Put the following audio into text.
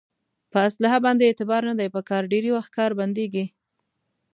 په اصلحه باندې اعتبار نه دی په کار ډېری وخت کار بندېږي.